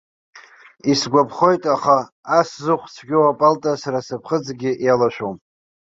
Исгәаԥхоит, аха ас зыхә цәгьоу апалта сара сыԥхыӡгьы иалашәом.